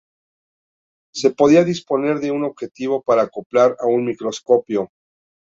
Se podía disponer de un objetivo para acoplar a un microscopio.